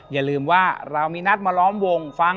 อย่าลืมว่าเรามีนัดมาล้อมวงฟัง